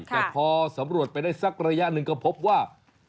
แต่พอสำรวจไปได้สักระยะหนึ่งก็พบว่า